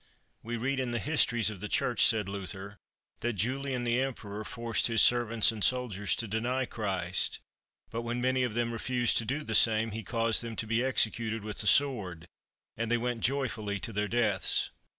We read in the histories of the Church, said Luther, that Julian the Emperor forced his servants and soldiers to deny Christ; but when many of them refused to do the same, he caused them to be executed with the sword, and they went joyfully to their deaths.